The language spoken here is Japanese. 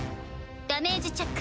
ダメージチェック。